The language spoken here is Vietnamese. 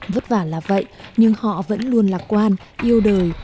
vất vả là vậy nhưng họ vẫn luôn lạc quan yêu đời